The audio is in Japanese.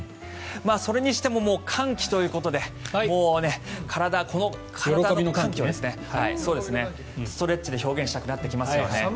それにしても歓喜ということでもう体、この体の歓喜をストレッチで表現したくなってきますよね。